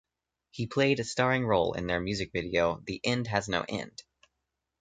He played a starring role in their music video "The End Has No End".